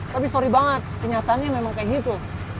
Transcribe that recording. tapi sorry banget kenyataannya memang kayak gitu